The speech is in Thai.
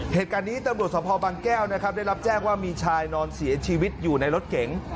เหตุการณ์นี้ตำรวจสภบางแก้วนะครับได้รับแจ้งว่ามีชายนอนเสียชีวิตอยู่ในรถเก๋ง